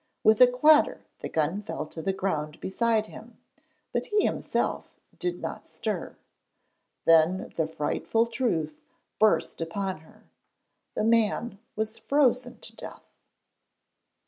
With a clatter the gun fell to the ground beside him, but he himself did not stir. Then the frightful truth burst upon her. The man was frozen to death!